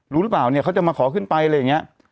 รู้หรือเปล่าเนี่ยเขาจะมาขอขึ้นไปอะไรอย่างนี้